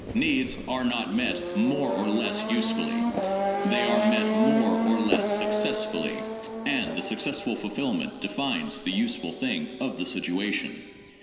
Needs are not met more or less usefully; they are met more or less successfully, and the successful fulfillment defines the useful thing of the situation.